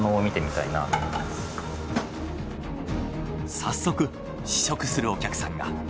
早速試食するお客さんが。